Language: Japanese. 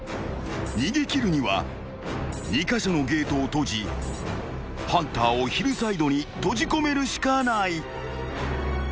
［逃げ切るには２カ所のゲートを閉じハンターをヒルサイドに閉じ込めるしかない］